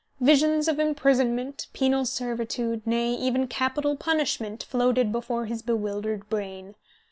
Visions of imprisonment, penal servitude, nay, even capital punishment, floated before his bewildered brain.